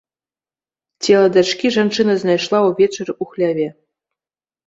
Цела дачкі жанчына знайшла ўвечары ў хляве.